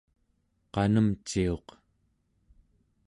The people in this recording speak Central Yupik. qanemciuq